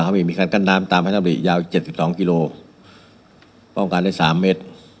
ไม่มีการกั้นน้ำตามแม่น้ำริยาว๗๒กิโลป้องกันได้๓เมตร